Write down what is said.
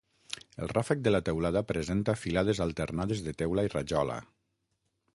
El ràfec de la teulada presenta filades alternades de teula i rajola.